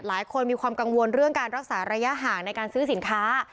หลายคนมีความกังวลเรื่องการรักษาระยะห่างในการซื้อสินค้า